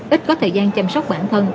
ít có thời gian chăm sóc bản thân